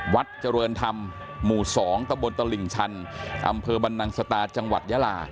วัดเจริญธรรมหมู่๒ตะบนตลิ่งชันอำเภอบรรนังสตาจังหวัดยาลา